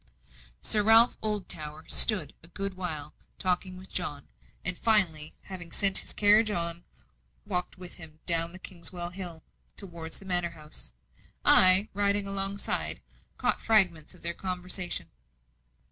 Sir Ralph Oldtower stood a good while talking with John; and finally, having sent his carriage on, walked with him down Kingswell Hill towards the manor house. I, riding alongside, caught fragments of their conversation.